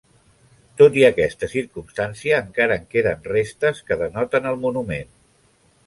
Tot i aquesta circumstància, encara en queden restes que denoten el monument.